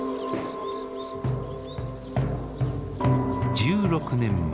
１６年前。